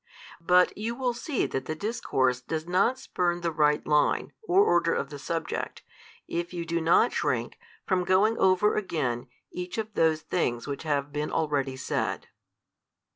But you will see that the discourse does not spurn the right line, or order of the subject, if you do not shrink from going over again each of those things which have been already said.